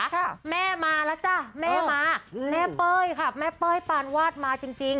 ค่ะแม่มาแล้วจ้ะแม่มาอืมแม่เป้ยค่ะแม่เป้ยปานวาดมาจริงจริง